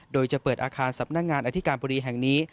โดยจะเปิดอาคารสำนักงานอธิการบดีแห่งนี้